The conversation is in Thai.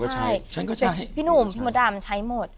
ใช่ฉันก็ใช้พี่หนุ่มพี่มดดำใช้หมด